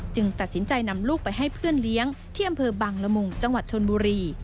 ตัดสินใจนำลูกไปให้เพื่อนเลี้ยงที่อำเภอบังละมุงจังหวัดชนบุรี